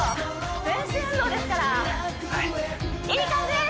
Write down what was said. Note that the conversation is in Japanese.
全身運動ですからはいいい感じです！